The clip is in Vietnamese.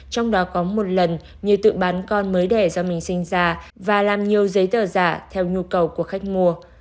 trong đó có một lần như tự bán con mới đẻ do mình sinh ra và làm nhiều giấy tờ giả theo nhu cầu của khách mua